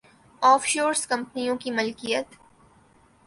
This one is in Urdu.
آف شور کمپنیوں کی ملکیت‘